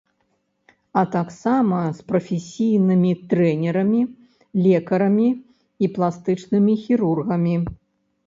А таксама з прафесійнымі трэнерамі, лекарамі і пластычнымі хірургамі.